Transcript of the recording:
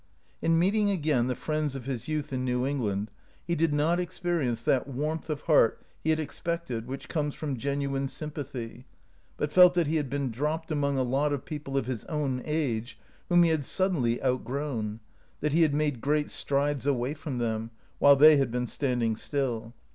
In meeting again the friends of his youth in New England he did not experience that warmth of heart he had expected which comes from genuine sympathy, but felt that he had been dropped among a lot of peo ple of his own age whom he had sud denly outgrown — that he had made great strides away from them, while they had been standing still.